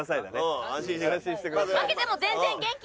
負けても全然元気！